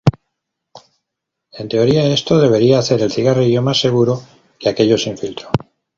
En teoría, esto debería hacer el cigarrillo "más seguro" que aquellos sin filtro.